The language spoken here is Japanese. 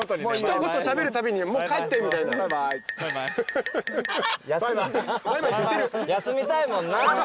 しゃべるたびに「もう帰って」みたいな。休みたいもんな。